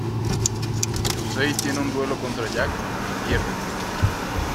Yusei tiene un Duelo contra Jack y pierde.